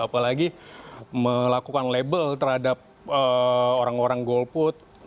apalagi melakukan label terhadap orang orang golput